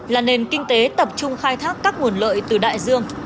là nền kinh tế tập trung khai thác các nguồn lợi từ đại dương